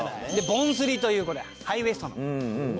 ボンスリというこれハイウエストの。